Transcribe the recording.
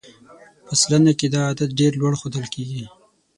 په سلنه کې دا عدد ډېر لوړ ښودل کېږي.